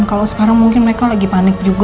kalau sekarang mungkin mereka lagi panik juga